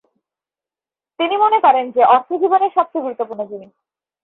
তিনি মনে করেন যে অর্থ জীবনের সবচেয়ে গুরুত্বপূর্ণ জিনিস।